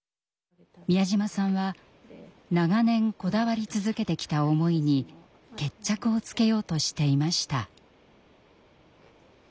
美谷島さんは長年こだわり続けてきた思いに決着をつけようとしていました。